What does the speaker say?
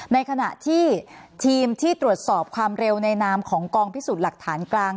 ในขณะที่ทีมที่ตรวจสอบความเร็วในนามของกองพิสูจน์หลักฐานกลาง